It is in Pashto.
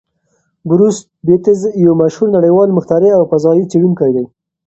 بروس بتز یو مشهور نړیوال مخترع او فضايي څېړونکی دی.